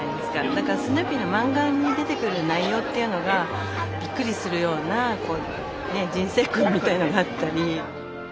だからスヌーピーのマンガに出てくる内容っていうのがびっくりするようなこうね人生訓みたいなのがあったり。